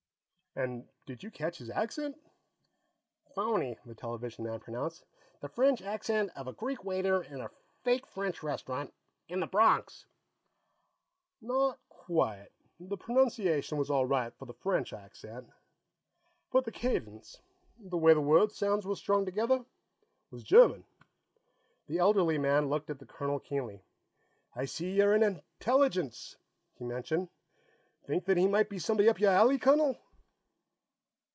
And did you catch his accent?" "Phony," the television man pronounced. "The French accent of a Greek waiter in a fake French restaurant. In the Bronx." "Not quite. The pronunciation was all right for French accent, but the cadence, the way the word sounds were strung together, was German." The elderly man looked at the colonel keenly. "I see you're Intelligence," he mentioned. "Think he might be somebody up your alley, Colonel?"